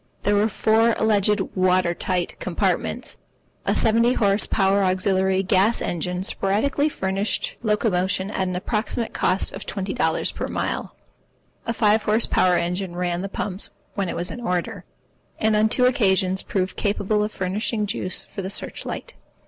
There were four alleged water tight compartments. A seventy horse power auxiliary gas engine sporadically furnished locomotion at an approximate cost of twenty dollars per mile. A five horse power engine ran the pumps when it was in order, and on two occasions proved capable of furnishing juice for the search light.